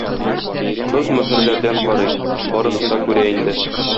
Кыз мөһерләрдән карый, барысын да күрә инде.